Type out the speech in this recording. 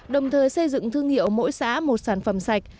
đồng thời xây dựng thương hiệu mỗi xã một sản phẩm sạch